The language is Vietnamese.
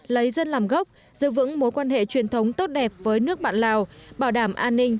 lấy dân làm gốc giữ vững mối quan hệ truyền thống tốt đẹp với nước bạn lào bảo đảm an ninh